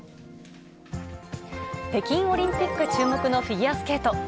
北京オリンピック注目のフィギュアスケート。